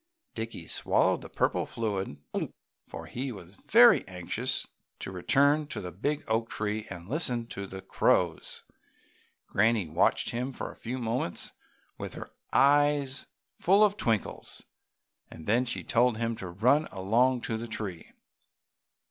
Dickie swallowed the purple fluid, for he was very anxious to return to the big oak tree and listen to the crows. Granny watched him for a few moments with her eyes full of twinkles, then she told him to run along to the tree.